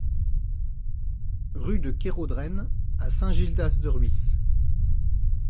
Rue de Kéraudren à Saint-Gildas-de-Rhuys